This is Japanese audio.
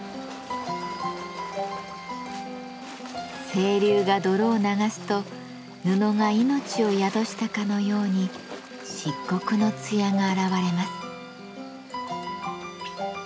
清流が泥を流すと布が命を宿したかのように漆黒の艶が現れます。